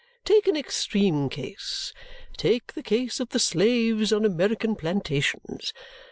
Take an extreme case. Take the case of the slaves on American plantations.